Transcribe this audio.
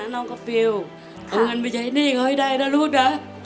น้องกับฟิวท์เอาเงินไปยายนี่เขาให้ได้นะลูกนะ